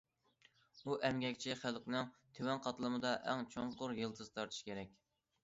ئۇ ئەمگەكچى خەلقنىڭ تۆۋەن قاتلىمىدا ئەڭ چوڭقۇر يىلتىز تارتىشى كېرەك.